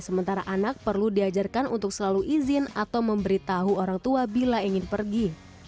sementara anak perlu diajarkan untuk selalu izin atau memberitahu orang tua bila ingin pergi